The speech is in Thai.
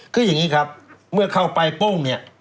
คืออย่างนี้ครับเมื่อเข้าไปปุ้งเนี่ย